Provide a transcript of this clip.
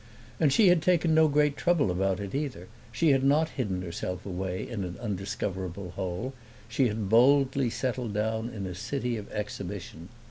And she had taken no great trouble about it either: she had not hidden herself away in an undiscoverable hole; she had boldly settled down in a city of exhibition.